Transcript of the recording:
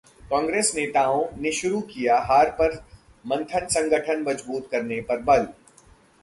कांग्रेस नेताओं ने शुरू किया हार पर मंथन- संगठन मजबूत करने पर बल